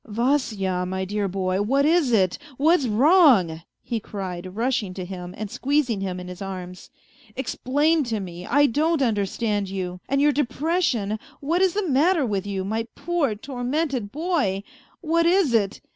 A FAINT HEART 183 " Vasya, my dear boy, what is it ? What's wrong ?" he cried, rushing to him and squeezing him in his arms. " Explain to me, I don't understand you, and your depression. What is the matter with you, my poor, tormented boy ? What is it